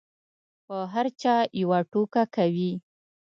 په هر چا یوه ټوکه کوي.